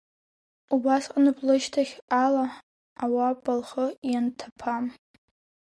Убасҟаноуп лышьҭахь ала ауапа лхы ианҭаԥа.